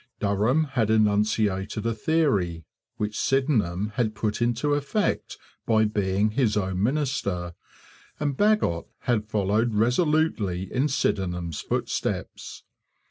Durham had enunciated a theory, which Sydenham had put into effect by being his own minister, and Bagot had followed resolutely in Sydenham's footsteps.